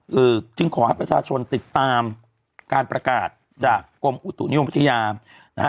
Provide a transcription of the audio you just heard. คือจึงขอให้ประชาชนติดตามการประกาศจากกรมอุตุนิยมวิทยานะฮะ